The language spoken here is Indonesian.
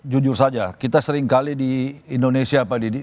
jujur saja kita seringkali di indonesia pak didi